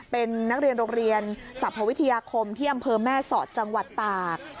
เป็นนักเรียนโรงเรียนสรรพวิทยาคมที่อำเภอแม่สอดจังหวัดตาก